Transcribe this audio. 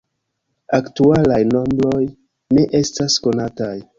Aktualaj nombroj ne estas konataj.